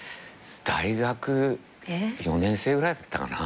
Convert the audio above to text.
大学４年生ぐらいだったかな。